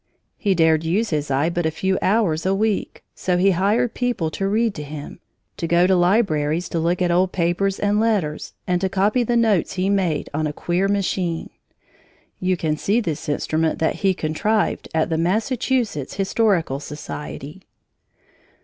He dared use his eye but a few hours a week. So he hired people to read to him, to go to libraries to look at old papers and letters, and to copy the notes he made on a queer machine. You can see this instrument that he contrived at the Massachusetts Historical Society.